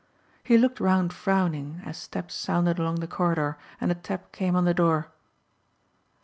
He looked round frowning as steps sounded along the corridor and a tap came on the door.